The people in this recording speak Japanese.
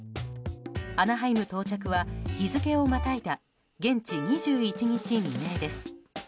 アナハイム到着は日付をまたいだ現地２１日未明です。